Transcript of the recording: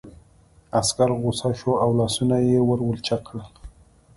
عسکر غوسه شو او لاسونه یې ور ولچک کړل